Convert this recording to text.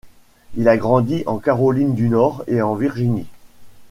Il a grandi en Caroline du Nord et en Virginie.